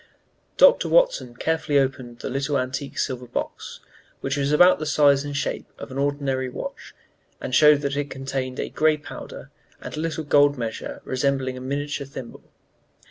Dr. Watson carefully opened the little antique silver box, which was about the size and shape of an ordinary watch, and showed that it contained a gray powder and a little gold measure resembling a miniature thimble.